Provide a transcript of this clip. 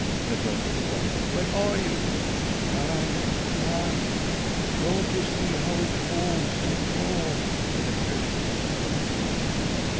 the dog responded. "Where are you?" "Karr, Karr! Don't you see how it falls and falls?" said Grayskin.